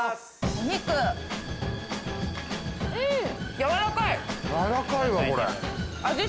やらかいわこれ。